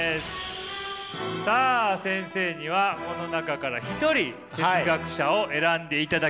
さあ先生にはこの中から一人哲学者を選んでいただきます。